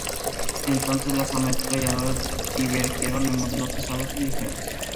Entonces las ametralladoras divergieron en modelos pesados y ligeros.